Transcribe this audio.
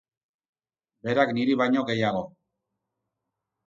Berak niri baino gehiago.